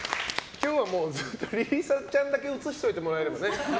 今日は莉里沙ちゃんだけ映しておいてもらえればね。